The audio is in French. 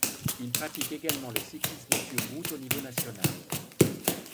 Il pratique également le cyclisme sur route au niveau national.